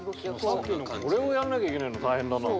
さっきのこれをやんなきゃいけないの大変だなあ。